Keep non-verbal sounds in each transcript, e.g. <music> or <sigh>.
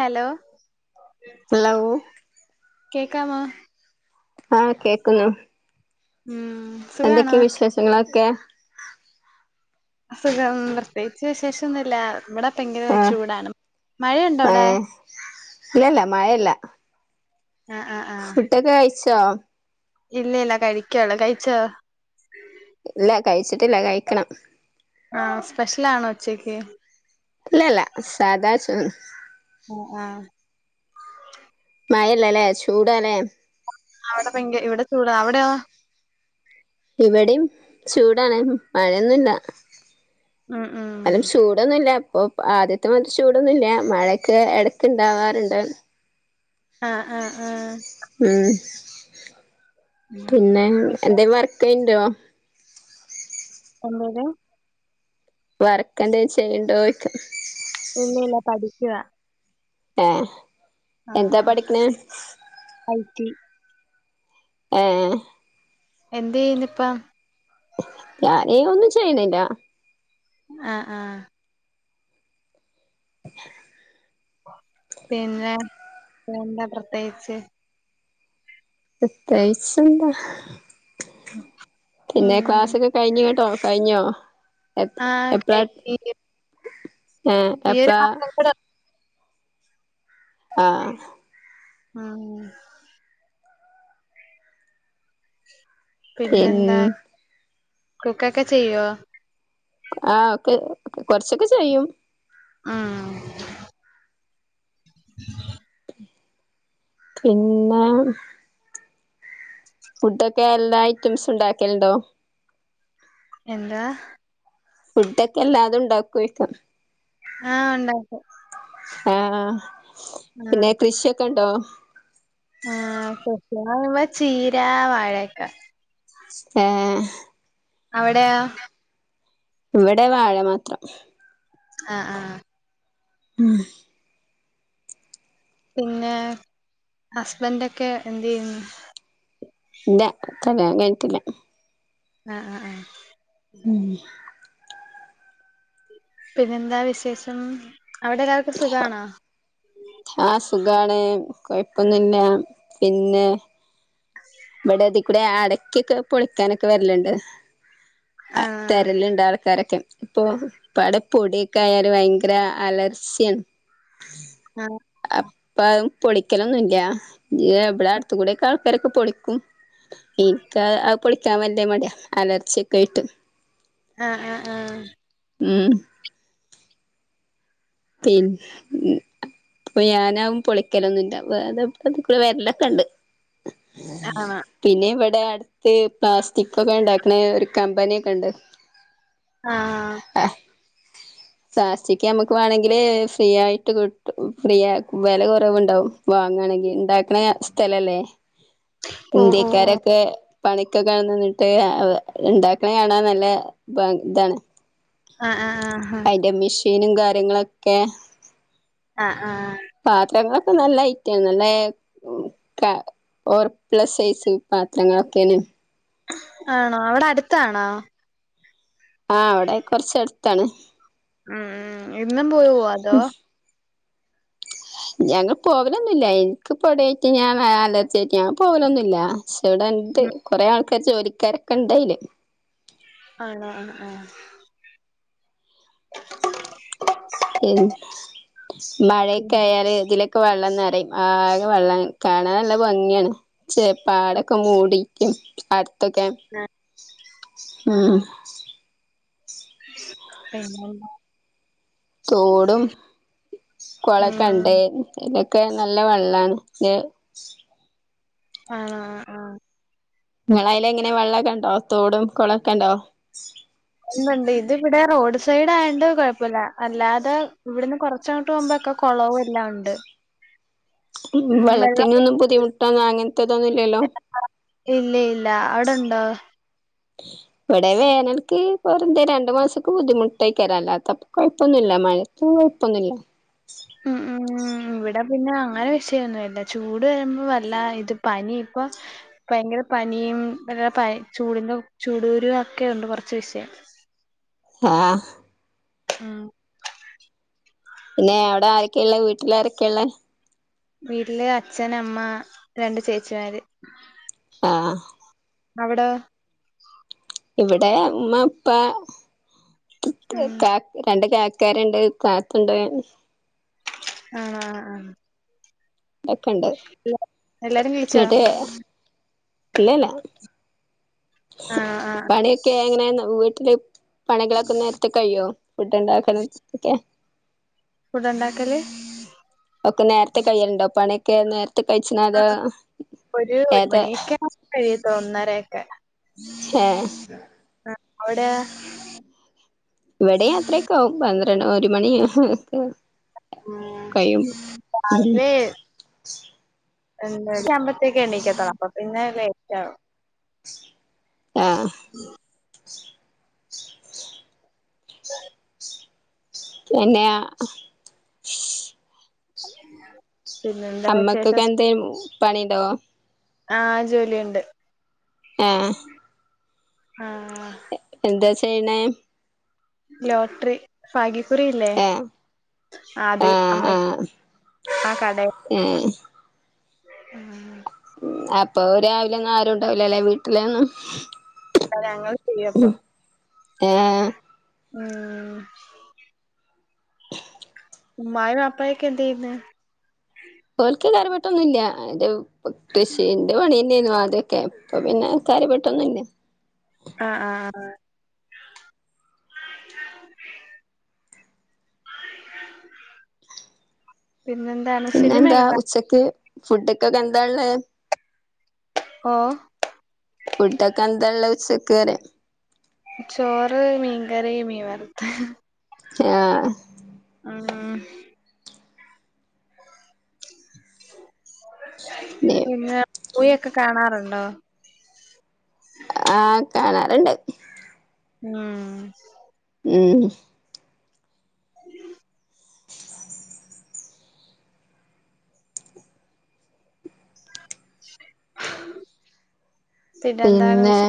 Hello hello കേക്കാമ ആഹ കേക്കുന്നു ഉം സുഖാണോ എന്തൊക്കെ വിശേഷങ്ങളൊക്കെ സുഖം പ്രത്യേകിച്ച് വിശേശൊന്നുല്ല ഇവടെ ഭയങ്കര ആഹ് ചൂടാണ് മഴയുണ്ടോ അവിടെ ഏഹ് ആഹ് ഫുഡക്കെ കൈ ച്ചോ ഇല്ലല്ല കഴിക്കാണ് കഴിച്ചോ ഇല്ല കഴിച്ചിട്ടില്ല കഴിക്കണം ആഹ സ്പെഷ്യലാണോ ഉച്ചക്ക് ഇല്ലല്ല സാദാ ചോറ് ആഹ് ആഹ് മയല്ലല്ലേ ചൂടാലേ അവിടെ ഭയങ്ക ഇവിടെ ചൂട അവിടെയൊ ഇവിടേം ചൂടാണ് മഴയൊന്നില്ല ഉം ഉം അലും ചൂടൊന്നില്ല ഇപ്പൊ ആദ്യത്തെ മറ്റെ ചൂടൊന്നില്യ മഴക്ക് എടക്ക്ണ്ടാവാറ്ണ്ട് ആഹ് ആ ആ പിന്നെ എന്തേ വർക്കേയ്ണ്ടോ എന്തേത് വർക്കെന്തേ ചെയ്യ്ണ്ടോയിക്ക ഒന്നുല്ല പഠിക്കാ ഏഹ് എന്താ പഠിക്ക്ണെ ഏഹ് എന്തേയ്യ്ന്ന്പ്പം ഞാന് ഒന്നും ചെയ്യ്ണ്ല്ല ആ ആ പിന്നെ എന്താ പ്രത്യേകിച്ച് പ്രേത്യേകിച്ചെന്താ പിന്നെ ഉം ക്ലാസോക്കെ കഴിഞ്ഞ് കേട്ടോ കഴിഞ്ഞോ ആ കഴിഞ്ഞ് <unintelligible> ആ എപ്പാ ആ ഉം ഉ പി പിന്നെന്താ കുക്കൊക്കെ ചെയ്യോ ആ ഒക്കെ കൊറച്ചൊക്കെ ചെയ്യും ആ ഉ പിന്നെ ഫുഡൊക്കെ എല്ലാ ഐറ്റംസ് ഇണ്ടാക്കല്ണ്ടോ എന്താ ഫുഡൊക്കെ എല്ലാതും ഇണ്ടാക്കോയ്ച്ചാ ആഹ് ഉണ്ടാക്കും ആ പിന്നെ കൃഷിയെ ണ്ടോ ആ <unintelligible> ചീര വാഴക്ക ഏ അവിടെയോ ഇവിടെ വാഴെ മാത്രം ആഹ ആഹ ഉഹ പിന്നെ ഹസ്ബൻഡ ഒക്കെ എന്ന്ത് ന്താ കല്യാണം കഴിച്ചിട്ടില്ല ആഹ ആഹ ആഹ ഉം പിന്നെന്താ വിശേഷം അവിടെ എല്ലാവർക്ക സുഖണോ ആ സുഖാണ് കുഴപ്പൊന്നുമില്ല പിന്നെ ബടതി കൂടെ ആടെ <inaudible> ക്കൊക്കെ പൊളിക്കാനൊക്കെ വരലണ്ട് ആ ആഹ് തെരലുണ്ട് ആൾക്കാരൊക്കെ ഇപ്പൊ പടെ പൊടിയൊക്കെ ആയല് ഭയങ്കര അലർച്ചിയാണ് ആഹ് ആ് അപ്പ അതും പൊടിക്കലൊന്നുമല്ല എവിടെ അടുത്ത കൂടെ കാ പരൊക്കെ പൊിക്ക ക്ക ഇക്ക പൊളിക്കാൻ വല്ലേ മട അലർച്ചിയൊക്കെ ഇട്ട് ആഹ ആഹ ആഹ ഉഏ പി അപ്പ ഞാനാും പൊളിക്കലൊന്നുംില്ല അത അതക്കൂടെ വരലൊക്കെ ഉണ്ട് ആണോ പിന്നെ ഇവിടെ ബട് പലാസ്റ്റിക്ക കണ്ടാ പിനെ ഒരു കമ്പനിയൊക്കെ ഉണ്ട് ആ പ്ലാസ്റ്റിക് നമ്മക്ക് വേണമെങ്കിൽ ഫ്രീ ആയിട്ട് കിട്ടും.. ഫ്രീ ആ വില കുറവിനു കിട്ടും ഇണ്ടാക്കണ സ്ഥലം അല്ലെ. ഓഹ് ഹിന്ദി ഓഹ് ഓഹ് കാരൊക്കെ പണിക് ഒകെ നിന്നട് ഇണ്ടാക്കണ കാണാൻ നല്ലതാ ആ ആ ആ ഇരുങ്ക <inaudible> ആ ആ ആ പാത്രങ്ങൾ ഒകെ നല്ല ആണോ അവിടെ അടുത്താണോ ആഹ് അവിടെ കുറച്ചാടുത്ത അടുത്താണ് മം മം എന്ന് പോവോ അതോ ഞങ്ങൾ പോകലൊന്നുമില്ല എനിക്ക് ഇവിടെ നിൽക്കാൻ ഞാൻ ആലോചിച്ചു നോക്കി ഞാൻ പോകലൊന്നുമില്ല പക്ഷെ ഇവിടെ എന്ത് കൊറെേ ആൾക്ക ഇവിടെ ജോലിക്കാരൊക്കെ ഉണ്ട് അതിന് ആണോ ആ ആഹ മഴയൊക്കെ പിന്നെ ആയാൽ ഇതിലെ ക വെള്ളം നിറയും ആകെ വെള്ളം കാണാൻ നല്ല ഭംഗിയാണ് ചെപ്പാടൊക്കെ മൂടിക്കും എന്ത്‌തൊക്കെ ഉം പി <unintelligible> തോടും കുളം ഉം ഒക്കെ ഉണ്ട് ഒക്കെ നല്ല വെള്ളാണ് ആ ആഹ നിങ്ങടെ അവിടെ എങ്ങനെ വെള്ളമൊക്കെ ഉണ്ടോ തോടും കൊളക്കണ്ടോ ഉണ്ടുണ്ട് ഇത് ഇവിടെ റോഡ് സൈഡ് ആയണ്ട് കുഴപ്പമില്ല അല്ലാതെ ഇവിടുന്ന് കൊറച്ച് അച്ചോട്ട് പോുമ്പോൊക്കെ <unintelligible> കുറവ് - എല്ലാം ഉണ്ട് ഉം വെള്ളം വെള്ളത്തിനൊന്നും ബുദ്ധിമുട്ടന്ന അങ്ങനത്തെതൊന്നുംല്ലല്ലോ ഇല്ല ഇല്ല അവിടെണ്ടോ ഇവിടെ വേനൽക്ക് രണ്ടു മാസക്ക ബുദ്ധിമുട്ടായി തരാ അല്ലാത്തപ്പ കൊഴപ്പൊന്നുമില്ല മഴത്ത കൊഴപ്പൊന്നുമില്ല ഉം ഉം ഇവിടെ പിന്നെ അങ്ങനെ വിഷയംൊന്നുമല്ല ചൂട് വരുമ്പോ വല്ല ഇത് പനി ഇപ്പൊ ഭയങ്കര പനിയും ചൂടിന്റെ ചൂടരു ഒക്കെ ഉണ്ട് കുറച്ച് വിഷയം ആഹ ഉം പിന്നെ എവിടെ ആരൊക്കെയ ഉള്ള വീട്ടിൽാരൊക്കെയ ഉള്ള വീട്ടില് അച്ഛൻ, അമ്മ, രണ്ട് ചേച്ചിമാര് ആഹ് അവിടോ ഇവിടെ അമ്മ, അപ്പ ഉം ഇക്ക രണ്ട് കക്ക് ആൾക്കാരുണ്ട് താഴത്തുണ്ട് ആഹ ആഹ് ഒക്കെണ്ട് ഇല്ല എല്ലാരും വിളിച്ചോ എന്നിട്ടേ ഇല്ലല്ല ആഹ് ആഹ് പണിയൊക്കെ എങ്ങനെ വീട്ടില് പണികളൊക്കെ നേരത്തെ കഴിയോ ഫുഡ്ുണ്ടാക്കണം ഒക്കെ ഫുഡ ഉണ്ടാക്കല് ഒക്കെ നേരത്തെ കയ്യലുണ്ടോ പണി ക്കന്നെ ത്തെ കയിച്ചനത് ഏത് കഴിയതൊന്നരയക്കെ ഷെ അവിടെയോ ഇവിടേം അത്രെക്കവും പന്ത്ര <unintelligible> ഒരു മണിയ ഉം കയും ഉം എ <unintelligible> ആമ്പത്തെ എണ്ണിക്കത്തോള്ള് അപ്പൊ പിന്നെ ലെറ്റവും ആഹ് ന്നെയ പിന്നെന്താ അമ്മക്കൊക്കെ വിശേഷം എന്തെമു പണിണ്ടോ ആഹ് ജോലിണ്ട് ഏ ആഹ് എന്താച് ചെയ്ണെ ലോട്റി ഫാഗി കുറിയില്ലേ ആഹ് അതിൽ ആഹ് അമ്മെ ആഹ് ആ കടെ ഏഹ് ആ അപ്പൊ രാവിലൊന്നും ആരുംണ്ടാവുലലെ വീട്ടില്ന്നും അ ഞങ്ങൾ സീയപ്പം ഏഹ് ഉംഹ് ഉമ്മായും വാപ്പായൊക്കെന്തേയ്യ്ന്ന് ഓൽക്കെല്ലാരുപട്ടൊന്നുല്ല ഉത്തശിന്റെ പണിയെ ന്നീന്നു ആദ്യോക്കെ. ഇപ്പ പിന്നെ കാര്യപെട്ടൊന്നുല്ല ആഹ് ആഹ് ആഹ് പിന്നെന്താണ് സിനിമയൊക്കെ കാ ഫുഡ്കൊക്കെ എന്താള്ളെ ഓ ഫുഡക്കെ എന്താ എള്ളെ ഉച്ചക്ക് വരെ ചോറ് മീൻകറി മീൻ വറുത്ത് ആഹ ഇം നി പിന്നെ മൂവിയൊക്കെ കാണാറുണ്ടോ ആഹ് കാണാറിണ്ട് ഉം ഉം എന്താണ് പിന്നെ വിശേ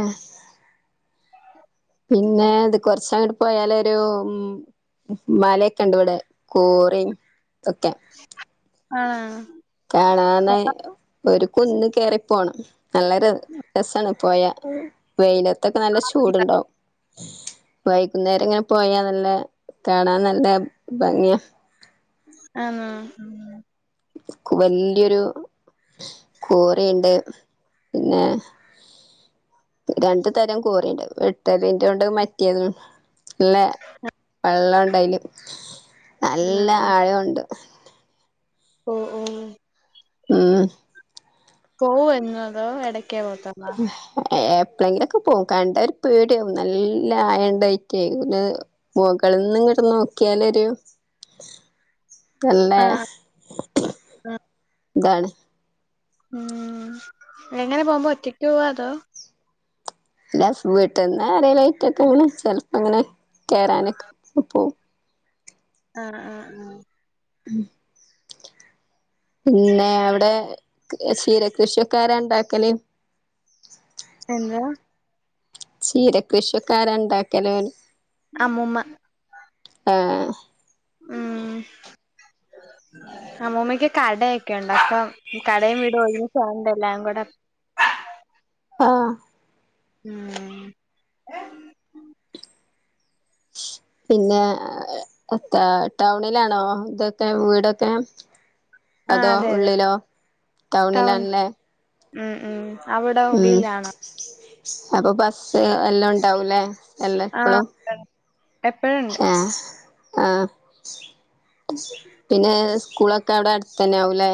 പിന്നെ ഇത് കൊറച്ച അങ്ങോട്ട് പോയാലരു ഉ മലയക്കെ ഇണ്ട് ഇവിടെ കോറയും ഒക്കെ ആ കാണാന് ഒരു കുന്ന് കേയറി പോണം നല്ലരു രസാണ് പോയ വെയില് അതൊക്കെ നല്ല ചൂട്ണ്ടാവും വൈകുന്നേരം ഇങ്ങനെ പോയാ നല്ല കാണാൻ നല്ല ഭംഗിയ ആന്നോ വല്യോരു കോറിയിണ്ട് പിന്നെ രണ്ടു തരം കോറിണ്ട് വിട്ടതിന്റെ ഒണ്ട് മറ്റേത് ഇല്ല വെള്ളണ്ട് ഡയില് നല്ല ആഹ് ആഴ ഒണ്ട് ഓ ഓ ആ പോവെന്നതോ എടക് ഏപ് <unintelligible> പോവും കണ്ട ഒരു പേടിയാവും നല്ല ആയണ്ടായിക്കെ ന്നെ മുകളിൽ നിന്നങ്ങട്ട നോക്കിയാലൊരു നല്ല ആഹ് ആഹ് ന്താണ് ഉം എങ്ങനെ പോകുമ്പോ ഒറ്റക്ക് പോവാ അതോ എല്ലാ സുഖട്ടന്ന അര ലൈറ്റ്ക്കെണ് ചെലപ്പ അങ്ങനെ കേറാനൊക്കെ പോവും ആ അ അ പിന്നെ അവിടെ ശീരകൃഷിയൊക്കെ ആരാ എണ്ടാക്കല് എന്താ ചീര കൃഷിയക്കാര എണ്ടാക്കല് അമ്മുമ്മ ആഹ ഇം അമ്മൂമ്മക്ക് കടയൊക്കെ ഒണ്ട് അപ്പൊ കടയും വീടും ഒന്നിച്ചായോണ്ട് എല്ലാം കൂടെ ആ ഉം പിന്നെ എ ടൗണിലാണോ ഇതൊക്കെ വീടൊക്കെ ആഹ് അതോ അതെ അതെ ഉള്ളിലോ ടൗൺ ടൗണിലാണല്ലേ ഉം ഉം അവിടെ ഉം ഉള്ളിലാണ് അപ്പൊ ബസ് എല്ലാംണ്ടാവൂല്ലേ അല്ല എപ്പോളും എപ്പഴുണ്ട് ആ പിന്നെ സ്കൂളൊക്കെ അവിടെ അടുത്ത് തന്നെ ആവൂല്ലേ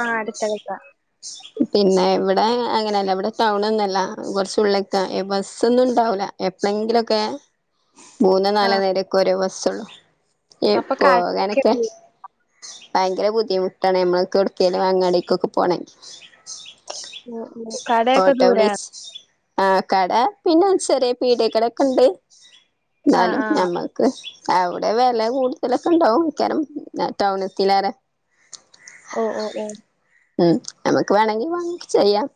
ആ അടുത്തടുത്ത പിന്നെ ഇവിടെ അങ്ങനെയല്ല ഇവിടെ ടൗണൊന്നല്ല കുറച്ച ഉള്ളിലക്കെ ബസ്സൊന്നും ഇണ്ടാവൂല എപ്പഴെങ്കിലുംഒക്കെ മൂന്നോ ആ നാലോ നേരം ഓരോ ബസ് ബസ്സ് ഉള്ളൂ ഏ അപ്പൊ ഇപ്പൊ കടയൊക്കെ നൊക്കെ ദൂ- ഭയങ്കര ബുദ്ധിമുട്ടാണ് നമ്മൾക്ക്ടുക്കാലും അങ്ങാടി ടേക്കൊക്കെ പോണെങ്ക ഉ ഉ കടയൊക്കെ ദൂരാണ് ആ കട പിന്നെ ചെറിയ പീഡക്കലോ ക്കെ ഉണ്ട് ആ എന്നാലും ആ ഞമ്മൾക്ക് അവിടെ വില കൂടുതലൊക്കെ ഉണ്ടാവും ക്കാരം ടൗണത്തിലേറേ ഓ ഓ ഓ ഉം നമുക്ക് വേണെങ്കിൽ വാങ്ങിയിട്ട് ചെയ്യാം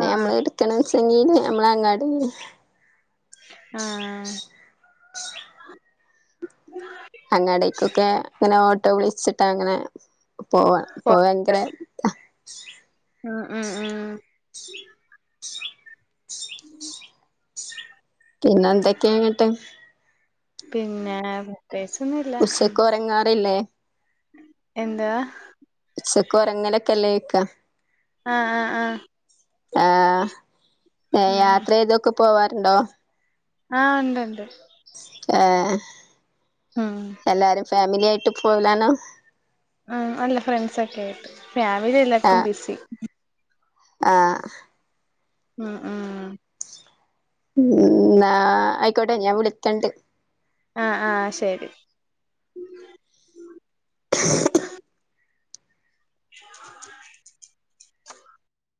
ആ ആ നമ്മള് എടുക്കണ ചങ്ങീന നമ്മള അങ്ങാടി ആ ആ ഉം അങ്ങാടികൊക്കെ അങ്ങനെ ഓട്ടോ വിളിച്ചിട്ടാ അങ്ങനെ പോവണം പോ ഭയങ്കര ഉ ഉ ഉഉം ഉ പിന്നെ എന്തൊക്കെയാങ്ങട്ട് പിന്നെ പ്രത്യേകിച്ചൊന്നുല്ല ഉച്ചക്ക ഉരങ്ങാറില്ലേ എന്താ ഉച്ചക്ക് ഒറങ്ങനെയൊക്കെല്ലേ ചോയ് ക്ക ആ ആ ആ ആ യാത്ര ഏതൊക്കെ പോവാൻ ണ്ടോ ആ ഉണ്ട്ണ്ട് ആ ആ ഫാമിലി ആയിട്ട് പോകലാണോ ആ അല്ല ഫ്രെണ്ട്സ് ഒക്കെ ആയിട്ട് ഫാമിലി എല്ലാർക്കും ബിസി ആ ഉംമ് ഉം ന്നാ ആയിക്കോട്ടെ ഞാൻ വിളിക്കണ്ട് ആ ആ ശരി